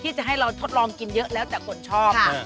จะให้เราทดลองกินเยอะแล้วแต่คนชอบ